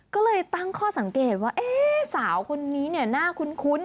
ก็เลยตั้งข้อสังเกตว่าสาวคนนี้เนี่ยน่าคุ้น